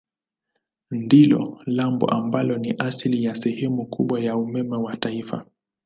Ndilo lambo ambalo ni asili ya sehemu kubwa ya umeme wa taifa.